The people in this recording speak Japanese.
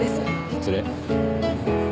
失礼。